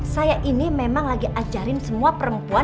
saya ini memang lagi ajarin semua perempuan